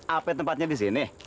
apa tempatnya di sini